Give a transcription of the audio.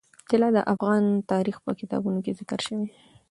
طلا د افغان تاریخ په کتابونو کې ذکر شوی دي.